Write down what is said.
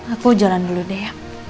aku jalan dulu deh